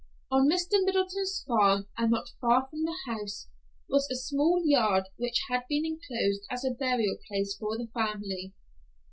On Mr. Middleton's farm, and not far from the house, was a small yard which had been enclosed as a burial place for the family.